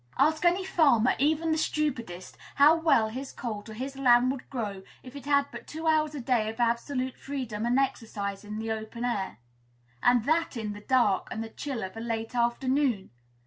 Ask any farmer, even the stupidest, how well his colt or his lamb would grow if it had but two hours a day of absolute freedom and exercise in the open air, and that in the dark and the chill of a late afternoon!